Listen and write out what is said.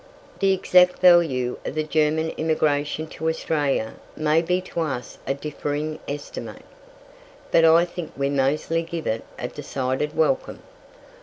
The exact value of the German immigration to Australia may be to us a differing estimate, but I think we mostly give it a decided welcome.